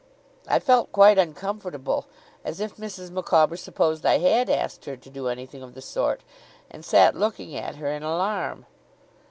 I felt quite uncomfortable as if Mrs. Micawber supposed I had asked her to do anything of the sort! and sat looking at her in alarm.